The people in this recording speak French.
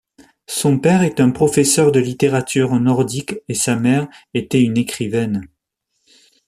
Son père est un professeur de littérature nordique et sa mère était une écrivaine.